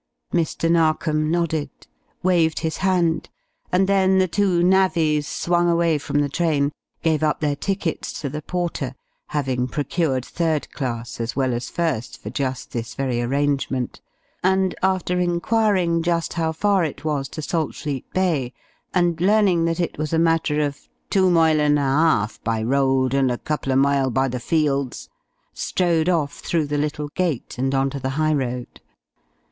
Mr. Narkom nodded, waved his hand, and then the two navvies swung away from the train, gave up their tickets to the porter having procured third class as well as first for just this very arrangement and after enquiring just how far it was to Saltfleet Bay, and learning that it was a matter of "two mile and a 'arf by road, and a couple o' mile by the fields," strode off through the little gate and on to the highroad.